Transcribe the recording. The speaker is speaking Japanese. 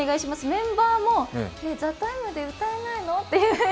メンバーも「ＴＨＥＴＩＭＥ，」で歌えないの。